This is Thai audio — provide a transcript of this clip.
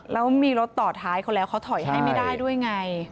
แล้วมีรถต่อท้ายเขาแล้วเขาถอยให้ไม่ได้ด้วยไง